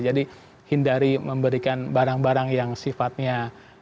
jadi hindari memberikan barang barang yang sifatnya